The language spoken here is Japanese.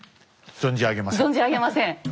存じ上げません？